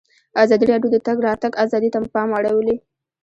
ازادي راډیو د د تګ راتګ ازادي ته پام اړولی.